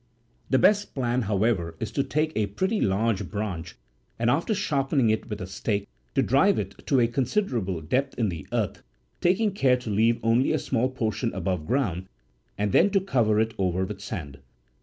The best plan, however, is to take a pretty large branch, and, after sharpening it like a stake,*9 to drive it to a considerable depth in the earth, taking care to leave only a small portion above ground, and then to cover it over with sand.